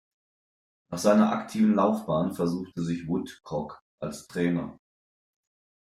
Nach seiner aktiven Laufbahn versuchte sich Woodcock als Trainer.